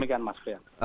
demikian mas friat